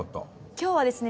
今日はですね